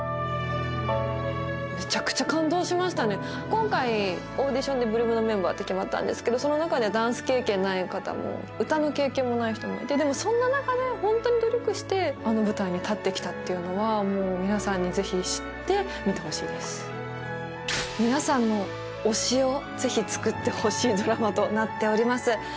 今回オーディションで８ＬＯＯＭのメンバーって決まったんですけどその中でダンス経験ない方も歌の経験もない人もいてでもそんな中でホントに努力してあの舞台に立ってきたっていうのはもう皆さんにぜひ知って見てほしいです皆さんの推しをぜひ作ってほしいドラマとなっております